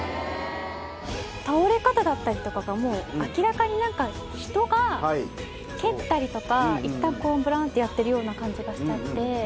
倒れ方だったりとかが明らかに人が蹴ったりとかいったんブラーンってやってるような感じがしちゃって。